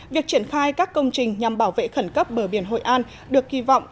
việc triển khai các công trình nhằm bảo vệ khẩn cấp bờ biển hội an được kỳ vọng